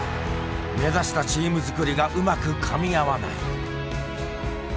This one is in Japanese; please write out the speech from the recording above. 目指したチーム作りがうまくかみ合わない。